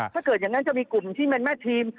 ถ้าเกิดอย่างนั้นจะมีกลุ่มที่แมนแมดทีม